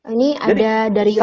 ini ada dari mana